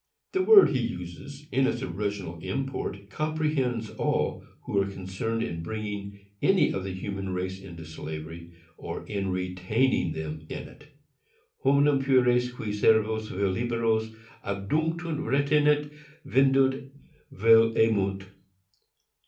The word he uses, in its original import, comprehends all who are concerned in bringing any of the human race into slavery, or in retaining them in it. _Hominum fures, qui servos vel liberos abducunt, retinent, vendunt, vel emunt.